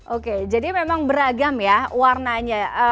oke jadi memang beragam ya warnanya